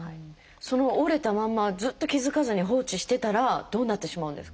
その折れたまんまずっと気付かずに放置してたらどうなってしまうんですか？